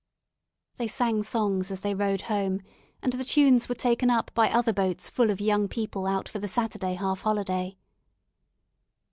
They sang songs as they rowed home, and the tunes were taken up by other boats full of young people out for the Saturday half holiday.